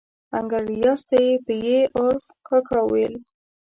انکل ریاض ته یې په ي عرف کاکا ویل.